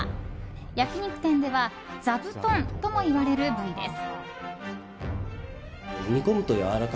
焼き肉店ではザブトンとも言われる部位です。